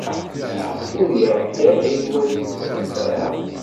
Ur y-iɛedda ara Yuba deg tzemmar.